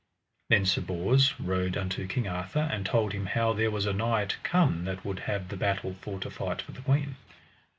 Then Sir Bors rode unto King Arthur and told him how there was a knight come that would have the battle for to fight for the queen.